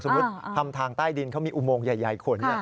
ทำทางใต้ดินเขามีอุโมงใหญ่ขน